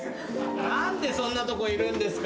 何でそんなとこいるんですか。